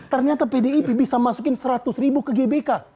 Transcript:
ternyata pdip bisa masukin seratus ribu ke gbk